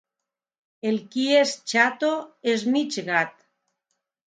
El qui és xato és mig gat.